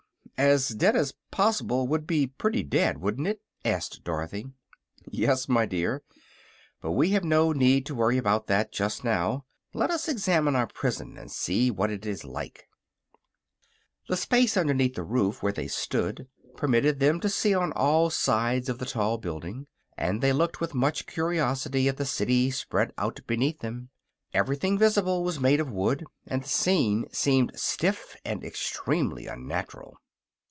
"As dead as poss'ble would be pretty dead, wouldn't it?" asked Dorothy. "Yes, my dear. But we have no need to worry about that just now. Let us examine our prison and see what it is like." The space underneath the roof, where they stood, permitted them to see on all sides of the tall building, and they looked with much curiosity at the city spread out beneath them. Everything visible was made of wood, and the scene seemed stiff and extremely unnatural.